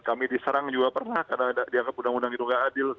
kami diserang juga pernah karena dianggap undang undang itu gak adil